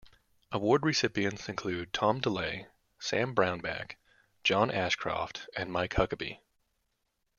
Award recipients include Tom DeLay, Sam Brownback, John Ashcroft, and Mike Huckabee.